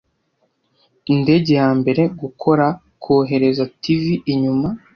indege yambere gukora Kohereza TV inyuma